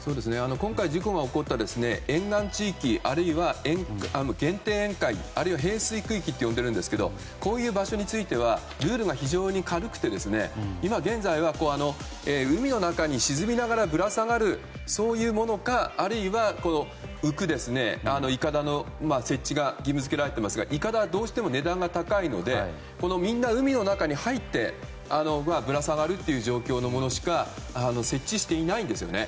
今回、事故が起こった沿岸地域あるいは限定沿海あるいは平水区域呼んでいるんですけどこういう場所についてはルールが非常に軽くて今現在は、海の中に沈みながらぶら下がるそういうものかあるいは浮くいかだの設置が義務付けられていますがいかだはどうしても値段が高いのでみんな海の中に入ってぶら下がりという状況のものしか設置していないんですね。